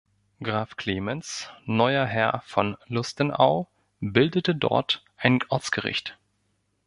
Graf Clemens, neuer Herr von Lustenau, bildete dort ein Ortsgericht.